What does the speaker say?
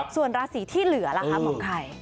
ส่วนราศีที่เหลือล่ะคะหมอไข่